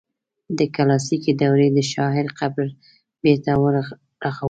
د کلاسیکي دورې د شاعر قبر بیرته ورغول شو.